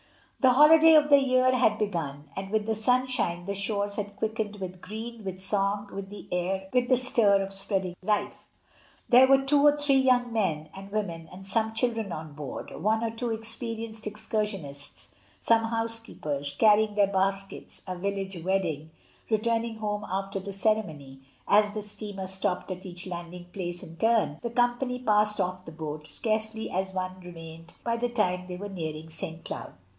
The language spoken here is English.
The holiday of the year had begun, and with the sunshine the shores had quickened with green, with song, with the stir of spreading life. There were two or three young men and women and some children on board, one or two experienced excur sionists, some housekeepers, carrying their baskets, a village wedding, returning home after the cere mony; as the steamer stopped at each landing place in turn, the company passed off the boat, scarcely any one remained by the time they were nearing St. Cloud.